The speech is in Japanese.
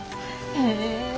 へえ。